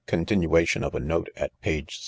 Continuation of a note at page ©0.